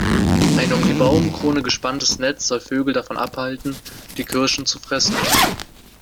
Ein um die Baumkrone gespanntes Netz soll Vögel davon abhalten, die Kirschen zu fressen.